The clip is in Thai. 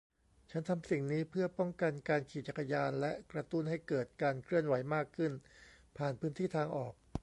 ฉันทำสิ่งนี้เพื่อป้องกันการขี่จักรยานและกระตุ้นให้เกิดการเคลื่อนไหวมากขึ้นผ่านพื้นที่ทางออก